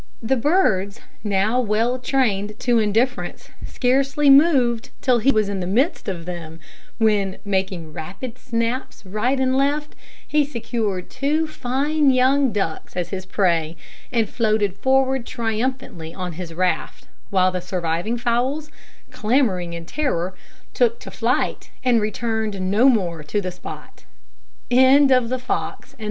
The birds, now well trained to indifference, scarcely moved till he was in the midst of them, when, making rapid snaps right and left, he secured two fine young ducks as his prey, and floated forward triumphantly on his raft; while the surviving fowls, clamouring in terror, took to flight, and returned no more to the spot.